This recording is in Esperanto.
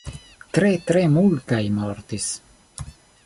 Tre tre multaj mortis.